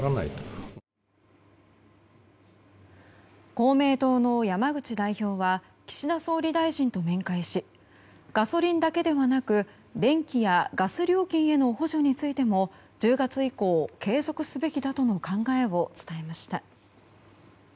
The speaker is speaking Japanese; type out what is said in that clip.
公明党の山口代表は岸田総理大臣と面会しガソリンだけではなく電気やガス料金への補助についても１０月以降、継続すべきだとの考えを伝えました。